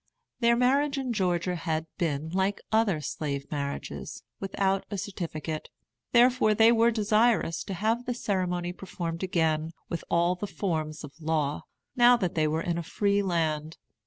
Their marriage in Georgia had been, like other slave marriages, without a certificate; therefore they were desirous to have the ceremony performed again, with all the forms of law, now that they were in a free land.